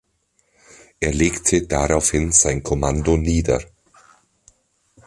Er legte daraufhin sein Kommando nieder.